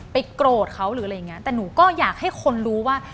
โกรธเขาหรืออะไรอย่างเงี้ยแต่หนูก็อยากให้คนรู้ว่า